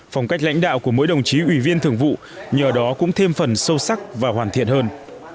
phong cách lãnh đạo của mỗi đồng chí ủy viên thường vụ nhờ đó cũng thêm phần sâu sắc và hoàn thiện hơn